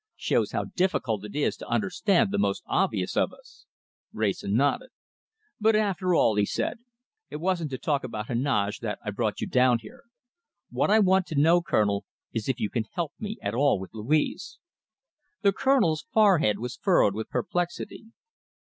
Shows how difficult it is to understand the most obvious of us." Wrayson nodded. "But after all," he said, "it wasn't to talk about Heneage that I brought you down here. What I want to know, Colonel, is if you can help me at all with Louise." The Colonel's forehead was furrowed with perplexity.